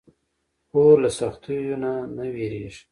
خور له سختیو نه نه وېریږي.